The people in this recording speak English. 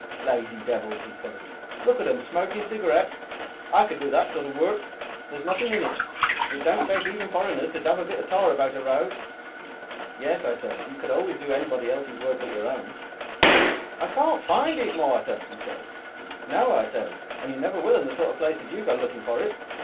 "'Lazy devils! 'e says. 'Look at 'em, smoking cigarettes. I could do that sort of work. There's nothing in it. It don't take 'eathen foreigners to dab a bit of tar about a road.' "'Yes,' I says, 'you always could do anybody else's work but your own.' "'I can't find it, Martha,' 'e says. "'No,' I says, 'and you never will in the sort of places you go looking for it.